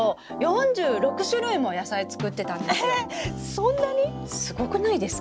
そんなに⁉すごくないですか？